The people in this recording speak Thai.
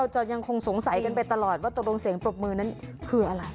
จะยังคงสงสัยกันไปตลอดว่าตกลงเสียงปรบมือนั้นคืออะไร